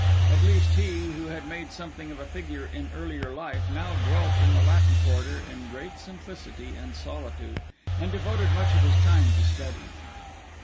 At least he, who had made something of a figure in earlier life, now dwelt in the Latin Quarter in great simplicity and solitude, and devoted much of his time to study.